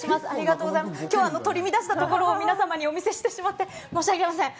今日、取り乱したところを皆様にお見せしてしまって、申訳ございません。